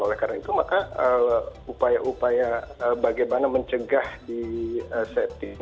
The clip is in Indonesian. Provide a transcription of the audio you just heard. oleh karena itu maka upaya upaya bagaimana mencegah di setting